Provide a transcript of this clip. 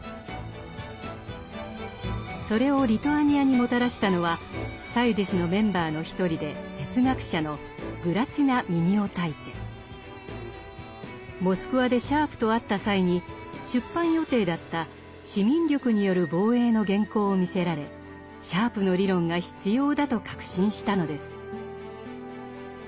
それをリトアニアにもたらしたのはモスクワでシャープと会った際に出版予定だった「市民力による防衛」の原稿を見せられシャープの理論が必要だと確信したのです。